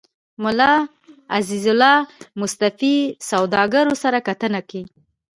ملا عزيزالله مصطفى سوداګرو سره کتنه کې